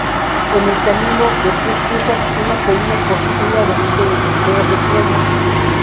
En el camino, los tres cruzan una colina con un laberinto de trincheras extrañas.